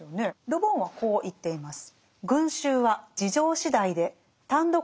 ル・ボンはこう言っています。